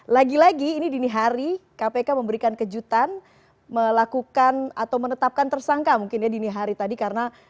lagi lagi ini dini hari kpk memberikan kejutan melakukan atau menetapkan tersangka mungkin ya dini hari tadi karena